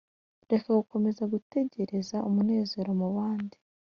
Reka gukomeza gutegereza umunezero mu bandi